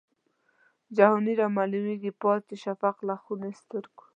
جهاني رامعلومیږي پاس د شفق له خوني سترګو